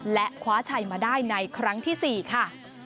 และคว้าชัยมาได้ในครั้งที่๔ค่ะ